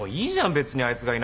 別にあいつがいなくても。